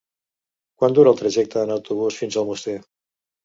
Quant dura el trajecte en autobús fins a Almoster?